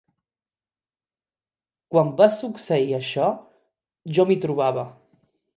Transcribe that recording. Quan va succeir això, jo m'hi trobava.